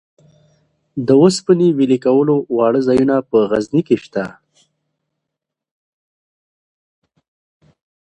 د اوسپنې ویلې کولو واړه ځایونه په غزني کې شته.